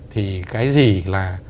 thì cái gì là